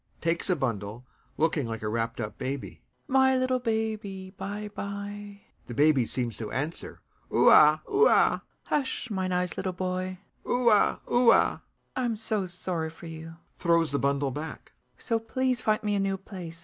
[Takes a bundle, looking like a wrapped up baby] My little baby, bye bye. [The baby seems to answer, "Oua! Oua!"] Hush, my nice little boy. ["Oua! Oua!"] I'm so sorry for you! [Throws the bundle back] So please find me a new place.